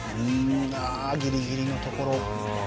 ああギリギリのところ。